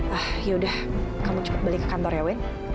ah yaudah kamu cepat balik ke kantor ya win